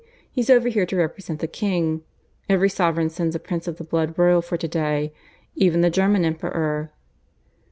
He's over here to represent the King. Every sovereign sends a prince of the blood royal for to day. Even the German Emperor."